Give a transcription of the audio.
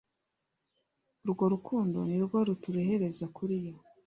Urwo rukundo nirwo ruturehereza kuri yo.